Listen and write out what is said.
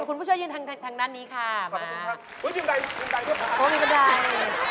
เล่นคุณปันใดหรือยังเล่นไปหมดแล้วหรือ